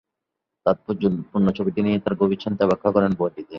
তাৎপর্যপূর্ণ ছবিটি নিয়ে তার গভীর চিন্তা ব্যাখ্যা করেন বইটিতে।